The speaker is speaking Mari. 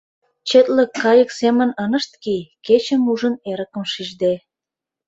Четлык кайык семын ынышт кий, кечым ужын, эрыкым шижде.